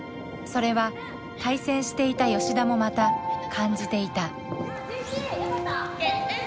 それは対戦していた吉田もまた感じていた。